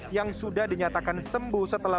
yang sudah dinyatakan sembuh setelah